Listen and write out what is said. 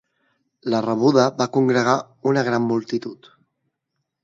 La rebuda va congregar una gran multitud.